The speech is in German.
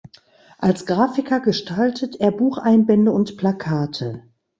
Als Grafiker gestaltet er Bucheinbände und Plakate.